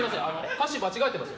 歌詞間違えてますよ。